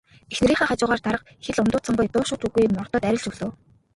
Эхнэрийнхээ хажуугаар дарга их л ундууцангуй дуу шуу ч үгүй мордоод арилж өглөө.